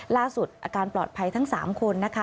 ล่าสุดอาการปลอดภัยทั้ง๓คนนะคะ